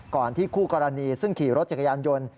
ที่คู่กรณีซึ่งขี่รถจักรยานยนต์